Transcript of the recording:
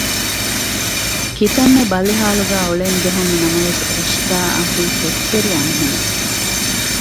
ކިތައްމެ ބަލިހާލުގައި އުޅެންޖެހުނު ނަމަވެސް ރިޝްދާއަކީ ކެތްތެރި އަންހެނެއް